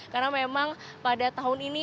karena memang pada tahun ini